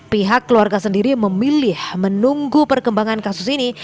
pihak keluarga sendiri memilih menunggu perkembangan kasus ini